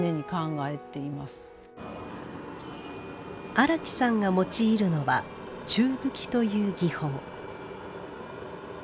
荒木さんが用いるのは「宙吹」という技法。